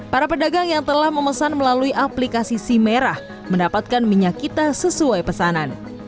para pedagang yang telah memesan melalui aplikasi si merah mendapatkan minyak kita sesuai pesanan